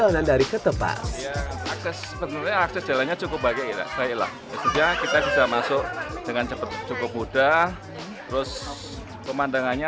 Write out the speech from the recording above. jalanan dari ketepas jalan cukup baik kita bisa masuk dengan cepet cukup mudah terus pemandangannya